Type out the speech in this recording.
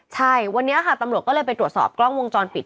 ใช่วันนี้ค่ะตำรวจก็เลยไปตรวจสอบกล้องวงจรปิด